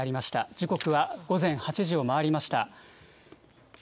時刻は午前８時を回りました。